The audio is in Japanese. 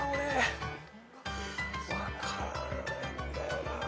分からないんだよな。